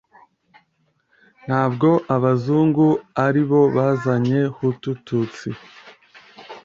ntabwo abazungu aribo bazanye hutu - tutsi